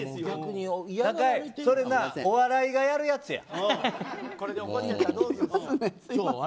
それお笑いがやるやつや。